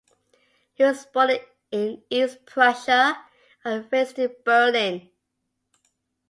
He was born in East Prussia and raised in Berlin.